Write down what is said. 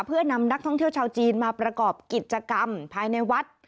เพื่อนำนักท่องเที่ยวชาวจีนมาประกอบกิจกรรมภายในวัด